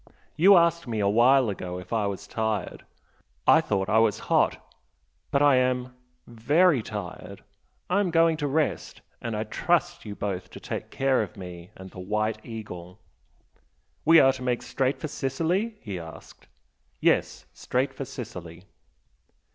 You asked me a while ago if I was tired I thought I was Hot, but I am very tired! I am going to rest. And I trust you both to take care of me and the 'White Eagle'!" "We are to make straight for Sicily?" he asked. "Yes straight for Sicily."